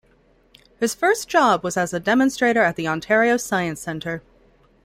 His first job was as a demonstrator at the Ontario Science Centre.